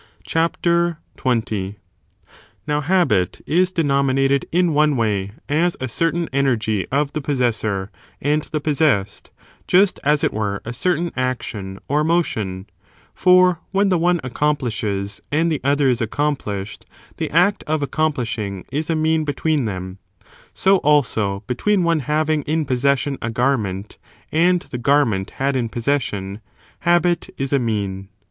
CHAPTER XX. Now habit ^ is denominated, in one way, as a certain energy of the possessor and the IJeTTthe possessed, just as it were a certain action or J^^^^*^'' motion ; for when the one accomplishes, and the other is accomplished, the act of accomplishing is a mean between them, so also between one having in possession a garment, and the garment had in possession, habit is a mean.